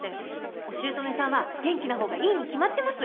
お姑さんは元気な方がいいに決まってます。